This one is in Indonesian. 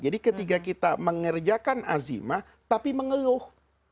jadi ketika kita mengerjakan azimah tapi mengeluh